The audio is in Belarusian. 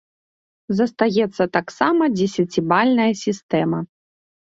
Застаецца таксама дзесяцібальная сістэма.